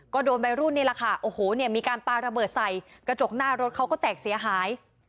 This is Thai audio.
ก็โดนวัยรุ่นนี่แหละค่ะโอ้โหเนี่ยมีการปลาระเบิดใส่กระจกหน้ารถเขาก็แตกเสียหาย